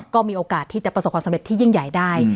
ก็มีโอกาสที่จะประสบความสำเร็จที่ยิ่งใหญ่ได้